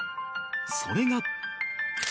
それが